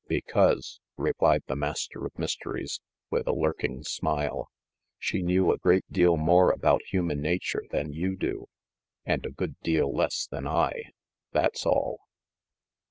"Because," replied the Master of Mysteries, with a lurking smile, "she knew a great deal more about hu man nature than you do, and a good deal less than I, that's all!"